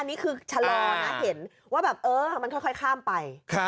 อันนี้คือชะลอนะเห็นว่าแบบเออมันค่อยข้ามไป